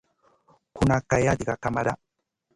Ku nʼa Kay diga kamada.